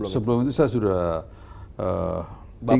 sebelum itu saya sudah bilang